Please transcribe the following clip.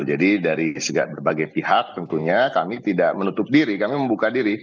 jadi dari segala berbagai pihak tentunya kami tidak menutup diri kami membuka diri